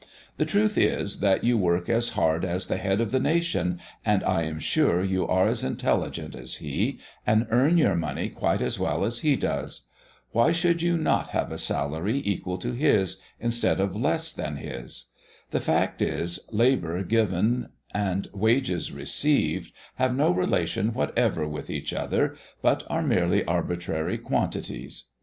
The truth is that you work as hard as the head of the nation, and I am sure you are as intelligent as he, and earn your money quite as well as he does. Why should you not have a salary equal to his, instead of less than his? The fact is, labor given and wages received have no relation whatever with each other, but are merely arbitrary quantities."